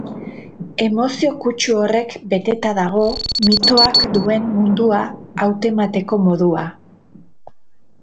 Emozio-kutsu horrek beteta dago mitoak duen mundua hautemateko modua.